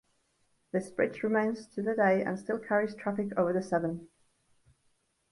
This bridge remains to the day and still carries traffic over the Severn.